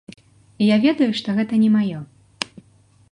І я ведаю, што гэта не маё.